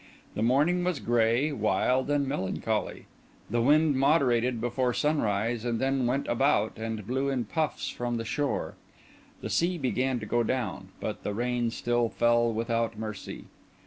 The morning was grey, wild, and melancholy; the wind moderated before sunrise, and then went about, and blew in puffs from the shore; the sea began to go down, but the rain still fell without mercy.